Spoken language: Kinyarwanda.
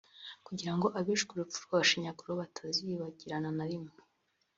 kugira ngo abishwe urupfu rw’agashinyaguro batazibagirana na rimwe